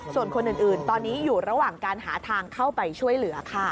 ส่วนคนอื่นตอนนี้อยู่ระหว่างการหาทางเข้าไปช่วยเหลือค่ะ